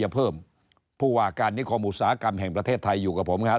เพิ่มผู้ว่าการนิคมอุตสาหกรรมแห่งประเทศไทยอยู่กับผมครับ